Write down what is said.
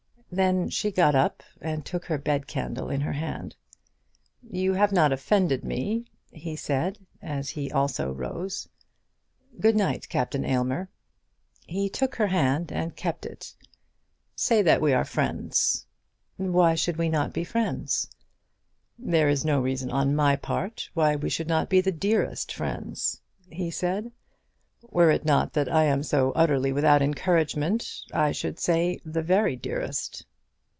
Then she got up and took her bed candle in her hand. "You have not offended me," he said, as he also rose. "Good night, Captain Aylmer." He took her hand and kept it. "Say that we are friends." "Why should we not be friends?" "There is no reason on my part why we should not be the dearest friends," he said. "Were it not that I am so utterly without encouragement, I should say the very dearest."